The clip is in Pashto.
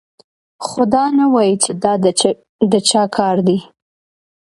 خو دا نه وايي چې دا د چا کار دی